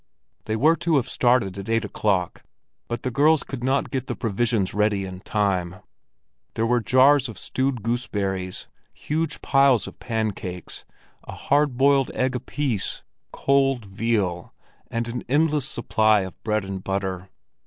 They were to have started at eight o'clock, but the girls could not get the provisions ready in time. There were jars of stewed gooseberries, huge piles of pancakes, a hard boiled egg apiece, cold veal and an endless supply of bread and butter.